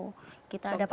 contohnya seperti apa